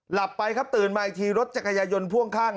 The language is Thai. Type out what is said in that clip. หลับไปครับตื่นมาอีกทีรถจักรยายนพ่วงข้าง